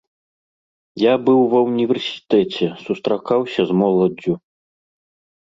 Я быў ва ўніверсітэце, сустракаўся з моладдзю.